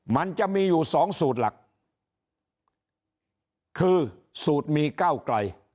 มันจะมีอยู่สองสูตรหลักคือสูตรมีก้าวไกล